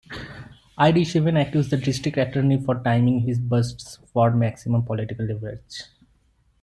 Irish even accused the district attorney of timing his busts for maximum political leverage.